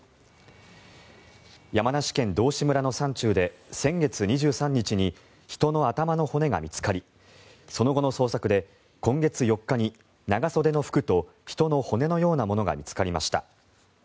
山梨県道志村の山中で先月２３日に人の頭の骨が見つかりその後の捜索で今月４日に長袖の服と人の骨のようなものが見つかりました。